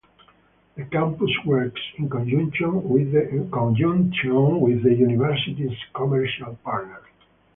The campus works in conjunction with the University's commercial partners.